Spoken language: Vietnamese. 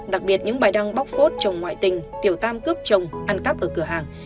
đặc biệt những bài đăng bóc phốt chồng ngoại tình tiểu tam cướp chồng ăn cắp ở cửa hàng